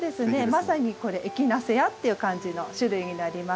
まさにこれエキナセアっていう感じの種類になりますね。